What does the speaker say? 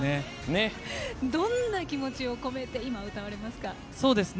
どんな気持ちをこめて今、歌われますか？